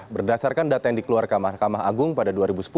berdasarkan data yang dikeluarkan mahkamah agung pada dua ribu sepuluh